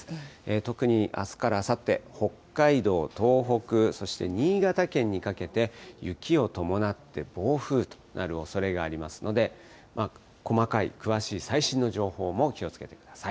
特にあすからあさって、北海道、東北、そして新潟県にかけて、雪を伴って暴風となるおそれがありますので、細かい、詳しい最新の情報も気をつけてください。